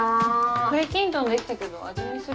栗きんとんできたけど味見する？